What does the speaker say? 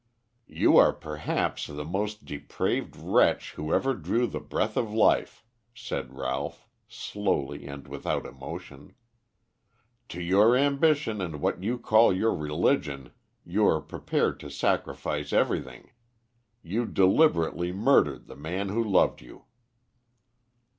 "You are perhaps the most depraved wretch who ever drew the breath of life," said Ralph, slowly and without emotion. "To your ambition and what you call your religion you are prepared to sacrifice everything. You deliberately murdered the man who loved you."